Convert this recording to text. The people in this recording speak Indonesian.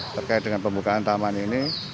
terkait dengan pembukaan taman ini